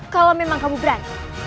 kalau memang kamu berani